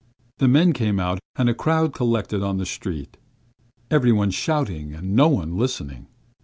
The men came out, and a crowd collected in the street, every one shouting and no one listening.